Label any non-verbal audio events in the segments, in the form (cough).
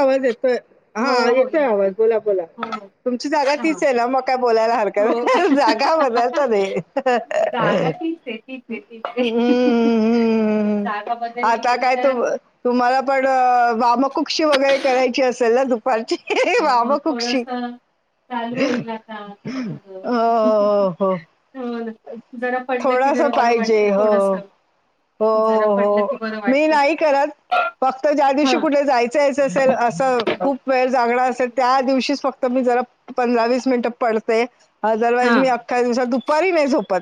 आवाज येतोय हा येतोय आवाज बोला बोला तुमची जागा तीचाय ना मग काय बोलायला हरकत जागा बदलता (inaudible) हम्म हम्म हम्मम आता काय तूम तुम्हाला पण वामकुक्ष वगरे करायची असेल ना तु कालची वामकुक्षी हो हो हो हो ना जरा पडलं की जरा बरं वाटलं थोडस जरा पडलं की बरं वाटतं खरंच फक्त ज्या दिवशी कुठे जायचेच असेल आसं खूप वेळ जागण त्या दिवशी फक्त मी जरा पंधरा वीस मिनिट पडते. ऑदरवाईज मी अख्या दिवसात दुपारी नाइ झोपत.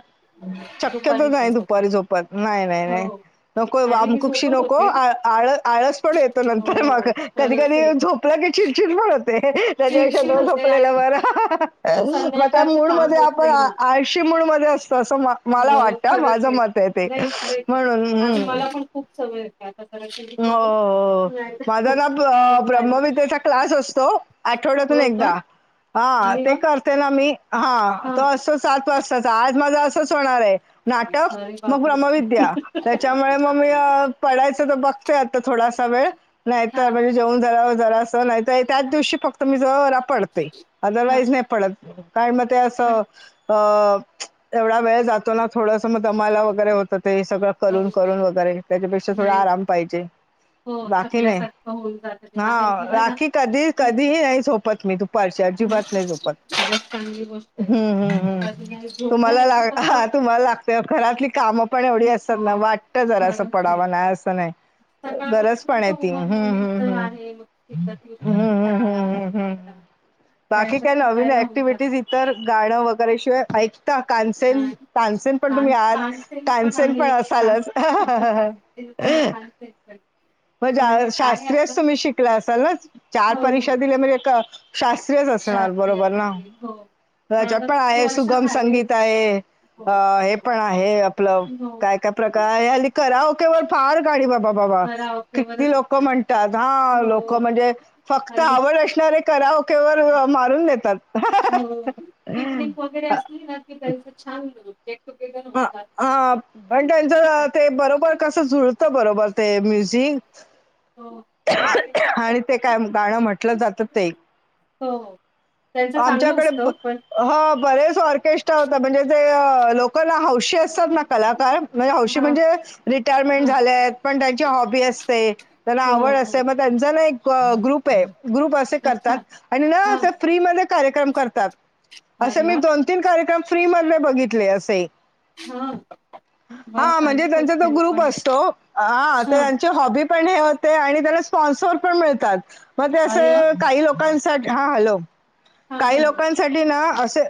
शक्यतो नाइ दुपारी झोपत नाइ नाइ नाइ. नको वामकुक्षी नको आळ आळस पण येतो नंतर माग कधी कधी झोप (unintelligible) चिडचिड पण होते तेच्या पेक्षा न झोपलेला बरा म त्या मूळ मध्ये आपण आ आळशी मूड मध्ये आसतो आसं मला वाटत का माझं मत हाय ते आधी मला पण खूप सवय होते आता कदाचित हो हो. माझा ना ब्रम्मविद्येचा क्लास असतो आठवड्यातून एकदा हा ते करते ना मी, हा तो असं सात वर्षाचा, आज माझ असंच होणार आहे. नाटक, मग ब्रहमविद्या, त्याच्यामुळे म मी अ पडायचं त बघ त थोडासा वेळ नाही तर (unintelligible) जेवून झाल्यावर जरासं, नाही त त्याच दिवशी फक्त मी जरा पडते अदरवाईज नाही पडत. काय मग ते असं अ एवढा वेळ जातो ना थोडं सं म दमायला वगैरे होतं ते सगळं. करून, करून वगैरे त्याच्यापेक्षा थोडा आराम पाहिजे. बाकी नाही हा राखी कधी, कधीही नाही झोपत मी दुप पारची अजिबात नाही झोपत, हूं हूं हूं तुम्हाला लाग हा तुम्हाला लागतं, घरातली कामं पण एवढी असतात ना, वाटत जरा असं पडावं नाही असं नाही. गरज पण आहे ती हूं हूं हूं हूं हूं हूं हूं हूं. बाकी काय नवीन ऍक्टिव्हटीज, इतर गाणं वगैरे शिवाय ऐक ता कानसेन, कानसेन पण तुम्ही आहत कानसेन पण असालच. (unintelligible) मंजे आ शास्त्रीयच तुम्ही शिकला असाल ना, चार परीक्षा दिल्या म्हणजे एक शास्त्रीच असणार बरोबर ना, त्याच्यात पण आहे सुगम संगीत आहे. अ हे पण आहे आपलं काय, काय प्रकार हल्ली कराओकेवर फार गाणी बाबा-बा. बा किती लोक म्हणतात, हा लोक म्हणजे फक्त आवड असणारे. कराओकेवर मारून नेतात. वगैरे अस (unintelligible) की त्यांचं छान (unintelligible) अ आप पण त्यांच अ ते बरोबर कस जुळत बरोबर ते म्युझिक. हो! आणि ते काय गाणं म्हटलं जातं ते एक. हो! आमच्याकडे प ह बरेच ऑर्केस्ट्रा होता, म्हणजे जे लोक ना हौशी असतात ना कलाकार. म्हणजे हौशी म्हणजे रिटायरमेंट झाले आहेत पण त्यांची हॉबी अस ते त्यांना आवड असते, मग त्यांचा ना एक ग्रुप आहे ग्रुप असे करतात. आणि ना ते फ्री मध्ये कार्यक्रम करतात असं मी दोन तीन कार्यक्रम फ्री मधे बघितले असे. हा म्हणजे त्यांचा तो ग्रुप असतो. हा चे हॉबी पण हे होते. आणि त्यांना स्पॉन्सर पण मिळतात. मग ते असे काही लोकांन हा हॅलो काही लोकां न साठी ना असे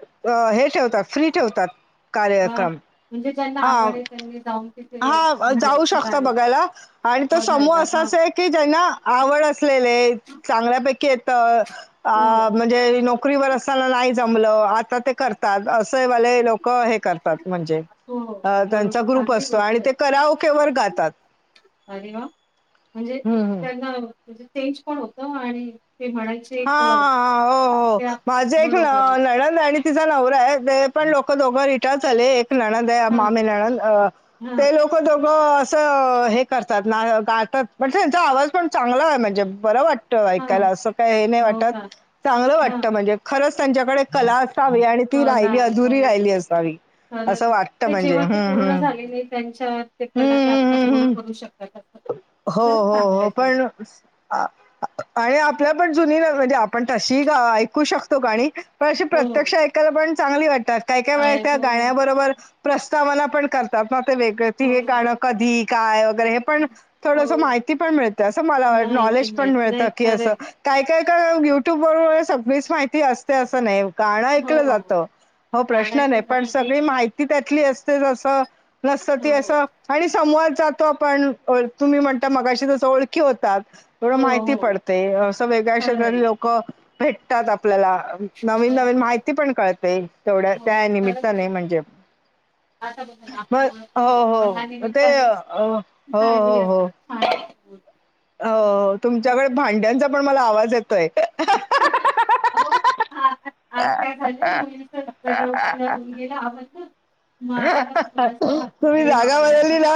हे ठेवतात फ्री ठेवतात कार्यक्रम. म्हणजे ज्यांना आवड आहे त्यांनी जाऊन हा जाऊ शकता बघायला. आणि तो समूह असाच आहे, की ज्यांना आवड असलेले चांगल्यापैकी येत अ म्हणजे नोकरीवर असताना नाही जमलं, आता ते कर -तात असे वाले लोक हे करतात म्हणजे, अ त्यांचा ग्रुप अस ते कराओके वर गातात हूं हूं. हं म्हणजे चेंज पण होत आणि ते म्हणायच. हा हा हो हो माझे एक न ननंद आणि तिचा नवरा आहे ते पण लोकं दोघ रिटायर झाले एक ननंद ते मामे ननंद अ ते लोक ते दोघं असं हे करतात ना गातात म्हणजे त्यांचा आवाज पण चांगला आहे. म्हणजे बरं वाट त‌ ऐकायला अस का हे नाही वाटत चांगलं वाटत म्हणजे खरच त्यांच्याकडे कला असावी आणि ती राहिली अधुरी राहिली असावी असं वाटत म्हणजे, हम्म हम्. त्यांच्या ते कला त्या आता पूर्ण करू शकतात असं. हो हो हो पण आणि आपल्या पण जुनी म्हणजे आपण तशी ऐकू शकतो गणी पण अशी प्रत्यक्ष ऐकायला पण चांगली वाटतात. काय काय वेळ त्या गाण्याबरोबर प्रस्तावना पण कर यात ते वेगळे हे गाणं कधी काय वगैरे हे थोडस माहिती पण मिळते असं मला वाटत, नॉलेज पण मिळत की असं काय काय काय युट्यूब व सगळीच माहिती असते असं नाही. गाणं ऐकलं जातं हो प्रश्न नाही पण सगळी माहिती त्यातली असते जसं नसत ते असं आणि संवाद जातो आपण तुम्ही म्हणता मगाशी तसं ओळखी होतात, तेवढी माहिती पडते असं वेगळ्या क्षेत्रातील लोक क भेटतात आपल्याला नवीन नवीन माहिती पण कळते, तेवढ्या त्या निमित्ताने म्हणजे आता बघा ना आपली ओळख कुठे होती, पण ह्या निमित्ताने झाली आता छानपैकी. अ तुमच्याकडे भांड्यांचा पण मला आवाज येतोय. हो, आज काय झालंय मुलीच बऱ्या गोष्टीला गेला आवं ना तुम्ही जागा बदलली ना?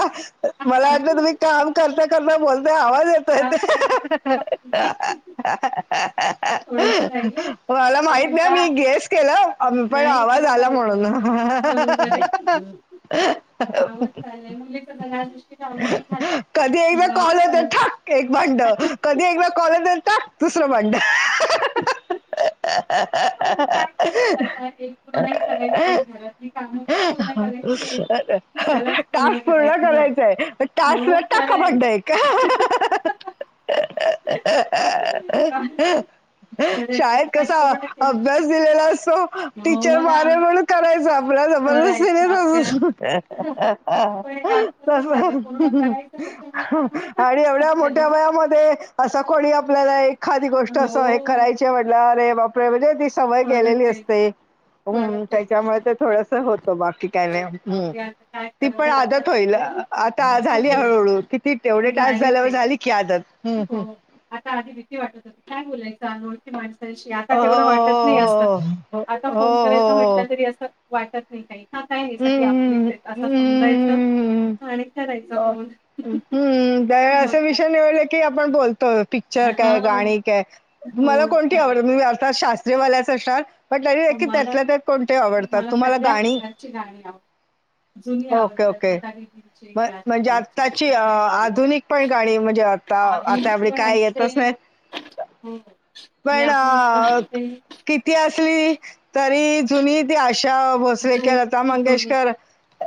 मला वाटत तुम्ही काम करता करता बोलता आवाज येतोय ते. (inaudible) थोडंसा काय काय. मला माहित नाही, मी गेस केलं, पण आवाज आला म्हणून. (inaudible) मुले या गोष्टीने आवड झालं मग चालू एक भांड कधी एकदा कॉले येता दुसरं भांड. (inaudible) (unintelligible) आता एक पूर्ण करायचे चे घर टास्क पूर्ण करायचाय. टास्क भांडा आहे का? शाळेत कसं अभ्यास दिलेला असतो टीचर मारेल म्हणून करायचा. आपल्या जबरदस्तीने तसं. आणि एवढ्या मोठ्या वयामध्ये असं कोणी आपल्याला एखादी गोष्ट असं हे करायची म्हट अरे बापरे म्हणजे सवय गेलेली असते त्याच्यामुळे ते थोडस होतं, बाकी त्याने हम, ती पण आदात होईल आता झाली हळू हळू ति तेवढे टास्क झाल्यावर झाली की आदत. हो आता आधी भीती वाटत होती काय बोलायचं अनोळखी माणसाशी आता तेवढं वाटत नाही असं आता फोन करायचं म्हटलं तरी असं वाटत नाही काही. हा काय सगळी आपलीच आहेत असं समजायचं आणि करायचं फोन. हम्म त्यावेळी असे विषय निवडले की आपण बोलतो पिक्चर काय गाणी काय तुम्हाला कोणती आवडत मला अर्थात शास्त्रीयवाद्याच असणार. पण तरी की त्यातल्या त्यात कोणते आवडतात तुम्हाला गाणी. ठिकाणी. जुनी आवडतात लता दिदींचे त्यांचे सगळ्यांचे. आधुनिक पण गाणी म्हणजे आता आता एवढ काय येतच नाही. हो मी आपण म्हणते. किती असली तरी जुनी ती आशा भोसले किंवा लता मंगेशकर.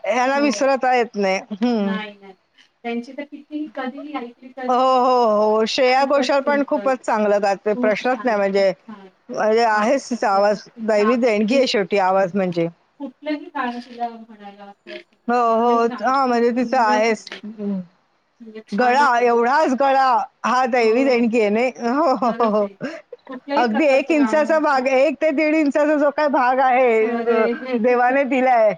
ह्याना विसरता येत नाही. नाही नाही त्यांचे तर कितीही कधीही ऐकली कधी. श्रेया घोषाल पण खूपच चांगलं गाते प्रश्नच नाही म्हणजे. अरे आहेच तिचा आवाज दैवी देणगी आहे शेवटी आवाज म्हणजे. कुठल्याही गाण तिला म्हणायला. हो हो हा म्हणजे तिचं आहेच. गळा एवढाच गळा हा दैवी देणगी आहे नाही. अगदी एक इंचाचा भाग एक ते दीड इंचाचा जो काही भाग आहे. देवाने दिलाय.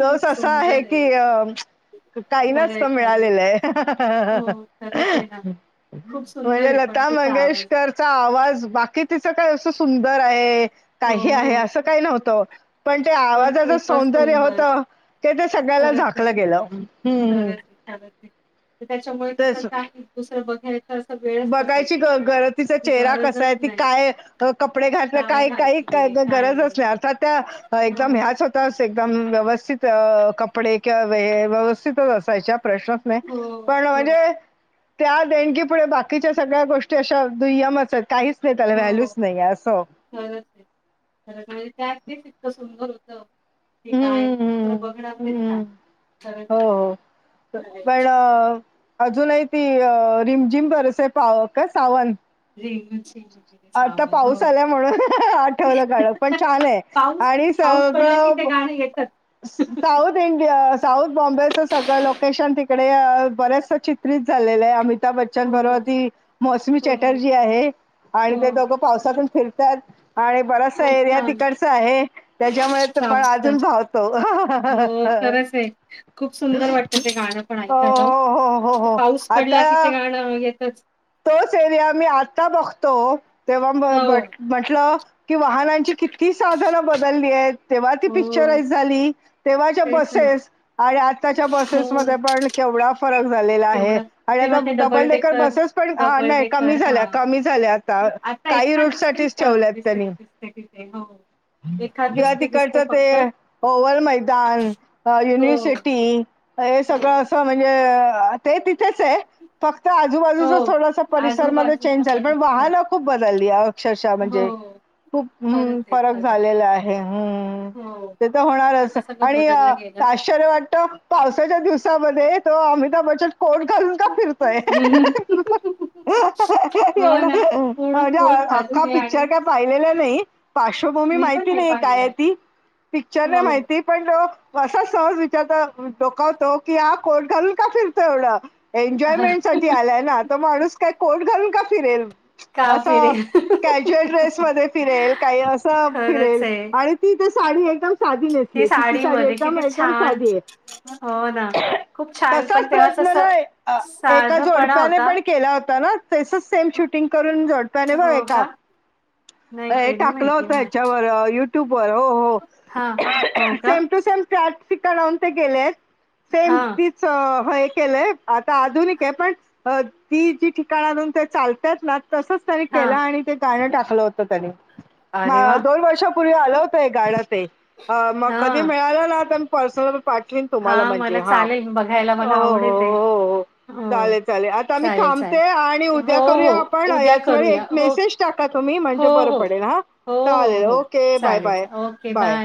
तोच असा आहे की अ काही नाही मिळालेलं आहे. म्हणजे लता मंगेशकर. आवाज बाकी तिच काय अस सुंदर आहे काही आहे असं काही नव्हतं. पण ते आवाजाचं सौंदर्य होत ते ते सगळ्याला झाकलं गेलं हम् हम्. त्याच्यामुळे तिथं काही दुसरं बघायचं. बघायची तिचा चेहरा कसा आहे ती काय. अ कपडे घातलं काही काही गरज असल्या अर्थात त्या. एकदम ह्याच होतच एकदम व्यवस्थित कपडे किंवा व्यवस्थितच असायच्या. प्रश्नच नाही पण म्हणजे त्या देणणी पुढे. बाकीच्या सगळ्या गोष्टी अशा दुय्यमच आहेत काहीच नाही त्याला व्हॅल्यूच नाही असं. खरच आहे खर म्हणजे त्यातच इतकं सुंदर होत की काय. दुसरं बघणार तरी काय. हो हो पण. अजूनही ती रिमझिम बरसे सावन. (inaudible) आता पाऊस आला म्हणून आ ठेवलं काढ पण छान आहे आणि. पाऊस पडला की ते गाणं येतच. साऊथ इंडिया साऊथ बॉम्बेचं सगळं लोकेशन तिकडे बरेच चित. झालेलं आहे अमिताभ बच्चन बरोबर ती मोसमी चॅटर्जी आहे आणि ते दोघं. पावसातून फिरतात. आणि बराचसा एरिया तिकडचा आहे त्याच्यामुळे तर पण अजून पात. हो हो हो हो. प आता. येतच. एरिया मी आता बघतो तेव्हा म्हटलं की वाहनांची कि. ती साधनं बदलली आहेत तेव्हा ती पिक्चराइज झाली. तेव्हाच्या बसेस आणि आत्ताच्या बसेसमध्ये पण. केवढा फरक झालेला आहे आणि आता double decker buses. Double decker हा आता एखाद दुसरी दिसेल. तिथे हो जेव्हा तिकडचं ते ओवल मैदान युनिव्हर्सिटी हे सगळं असं म्हणजे ते तिथेच आहे. फक्त आजूबाजूचा थोडास परिसरमध्ये चेंज झालं पण वाहनं खूप बदलली अक्षरशः म्हणजे खूप हम् ते तर होणारच. आश्चर्य वाटत पावसाच्या दिवसामध्ये तो अमिताभ बच्चन कोट घालून का फिरतोय. एवढं म्हणजे अख्खा पिक्चर काय पाहिलेलं नाही. पार्श्वभूमी माहिती नाही काय आहे ती पिक्चर नाही माहिती पण असा सहज विचारता डोकावतो की हा कोट घालून का फिरतो एवढं एन्जॉयमेंट साठी आलाय ना तर माणूस काय कोट घालून का फिरेल. असं कॅजुअल ड्रेसमध्ये फिरेल काही असं फिरेल आणि ती साडी आहे का? साधी नेसली तिची साडी एकदम एकदम साधी आहे. तसाच प्रयत्न ना एका जोडप्याने पण केला होता ना. तसच सेम शूटिंग करून जोडप्याने बघ ए का हे टाकलं होतं ह्याच्यावर युट्यूबवर होे सेम टू सेम. टिक लावून ते गेलेत सेम त हे केलंय आता आधुनिक आहे पण अ ती जी ठिकाण आणून ते चालतात ना तसच. केला आणि ते गाणं टाकलं होतं त्यानी म दोन वर्षापूर्वी आलं होतंय गाणं ते मग कधी मिळालं ना. पर्सनल पाठवीन तुम्हाला म्हणजे हा हो हो हो चालेल चालेल आता मी थांबते आणि उद्या करूया आपण याच वेळी एक मेसेज टाका तुम्ही म्हणजे बरं पडेल हा चालेल ओके बाय बाय बाय.